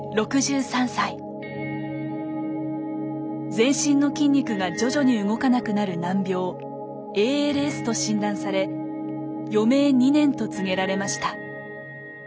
全身の筋肉が徐々に動かなくなる難病ＡＬＳと診断され余命２年と告げられました。